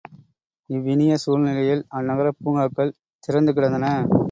இவ்வினிய சூழ்நிலையில் அந்நகரப் பூங்காக்கள் திறந்து கிடந்தன.